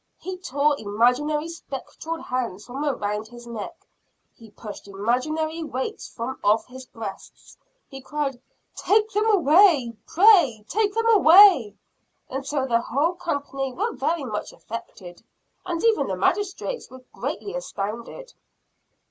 He tore imaginary spectral hands from around his neck. He pushed imaginary weights from off his breast. He cried, "Take them away! Pray, take them away!" until the whole company were very much affected; and even the magistrates were greatly astounded.